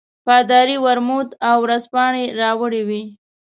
پادري ورموت او ورځپاڼې راوړې وې.